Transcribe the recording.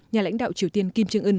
nhà lãnh đạo triều tiên kim jong un